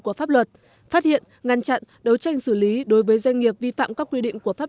của pháp luật phát hiện ngăn chặn đấu tranh xử lý đối với doanh nghiệp vi phạm các quy định của pháp